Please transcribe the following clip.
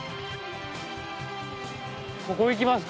ここいきますか？